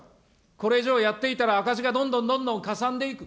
これ以上やっていたら赤字がどんどんどんどんかさんでいく。